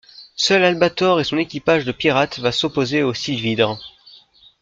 Seul Albator et son équipage de pirates va s'opposer aux sylvidres.